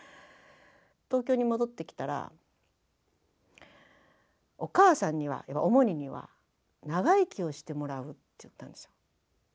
東京に戻ってきたらお母さんにはオモニには長生きをしてもらうって言ったんですよ。